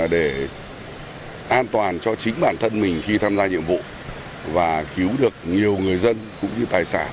để an toàn cho chính bản thân mình khi tham gia nhiệm vụ và cứu được nhiều người dân cũng như tài sản